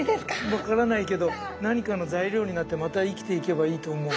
分からないけど何かの材料になってまた生きていけばいいと思う。